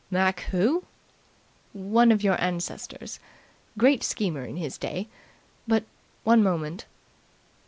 "Mac Who?" "One of your ancestors. Great schemer in his day. But, one moment."